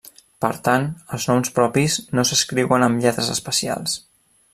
Per tant els noms propis no s'escriuen amb lletres especials.